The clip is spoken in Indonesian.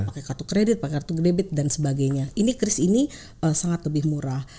pakai kartu kredit pak kartu kredit dan sebagainya ini kris ini sangat lebih murah